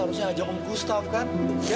harusnya aja om gustaf kan